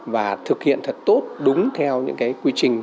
và thực hiện thật tốt đúng theo những cái quy trình